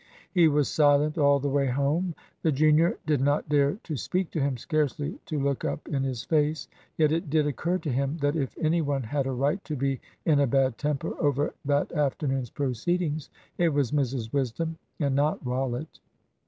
He was silent all the way home. The junior did not dare to speak to him scarcely to look up in his face. Yet it did occur to him that if any one had a right to be in a bad temper over that afternoon's proceedings it was Mrs Wisdom, and not Rollitt.